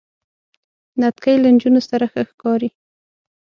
نتکۍ له نجونو سره ښه ښکاری.